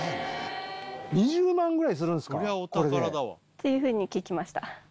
っていうふうに聞きました。